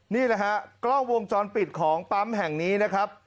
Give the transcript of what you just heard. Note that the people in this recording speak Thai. นี่แหละฮะกล้องวงจรปิดของปั๊มแห่งนี้นะครับ